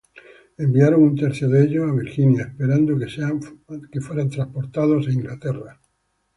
Enviaron un tercio de ellos a Virginia, esperando que sean transportados a Inglaterra.